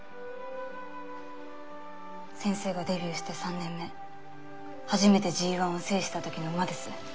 先生がデビューして３年目初めてＧⅠを制した時の馬です。